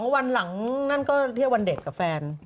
วันหลังนั่นก็เที่ยววันเด็กกับแฟน